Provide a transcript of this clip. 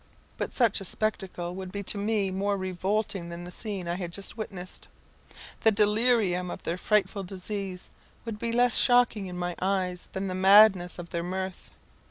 But such a spectacle would be to me more revolting than the scene I had just witnessed; the delirium of their frightful disease would be less shocking in my eyes than the madness of their mirth.